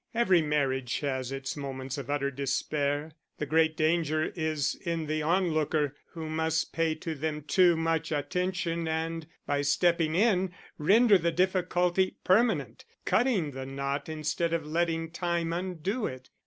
Every marriage has its moments of utter despair. The great danger is in the onlooker, who may pay to them too much attention and, by stepping in, render the difficulty permanent cutting the knot instead of letting time undo it.